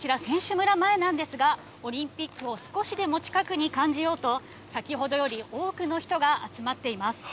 村前なんですが、オリンピックを少しでも近くに感じようと、先ほどより多くの人が集まっています。